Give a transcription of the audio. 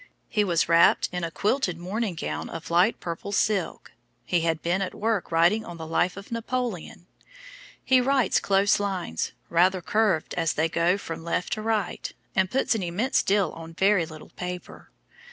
He was wrapped in a quilted morning gown of light purple silk; he had been at work writing on the 'Life of Napoleon.' He writes close lines, rather curved as they go from left to right, and puts an immense deal on very little paper.